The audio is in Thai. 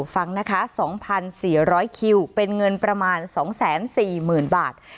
ฟังนะคะ๒๔๐๐คิวเป็นเงินประมาณ๒๔๐๐๐บาท